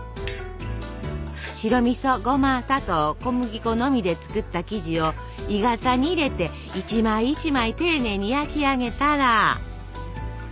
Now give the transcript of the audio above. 白みそゴマ砂糖小麦粉のみで作った生地を鋳型に入れて一枚一枚丁寧に焼き上げたら。